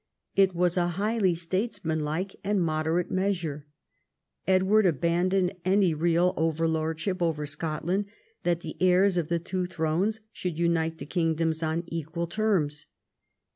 It was a highly states manlike and moderate measure. England abandoned any real overlordship over Scotland that the heirs of the two thrones should unite the kingdoms on equal terms.